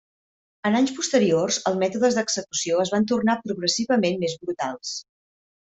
En anys posteriors, els mètodes d'execució es van tornar progressivament més brutals.